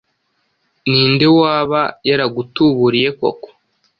Ninde waba yaragutuburiye koko